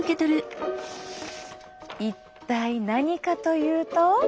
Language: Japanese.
一体何かというと。